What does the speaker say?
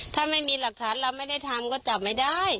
ถ้าไม่มีหลักฐานเราไม่ได้ทำก็จับไม่ได้